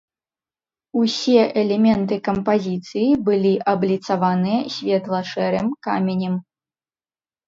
Усе элементы кампазіцыі былі абліцаваныя светла-шэрым каменем.